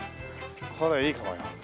これいいかもよ。